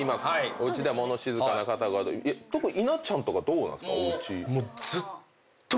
おうちでは物静かな方特に稲ちゃんとかどうなんですか？